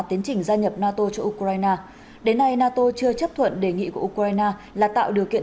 tiến trình gia nhập nato cho ukraine đến nay nato chưa chấp thuận đề nghị của ukraine là tạo điều kiện